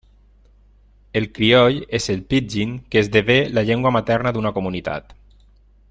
El crioll és el pidgin que esdevé la llengua materna d'una comunitat.